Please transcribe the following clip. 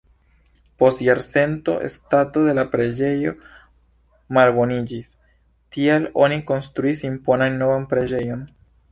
Post jarcento stato de la preĝejo malboniĝis, tial oni konstruis imponan novan preĝejon.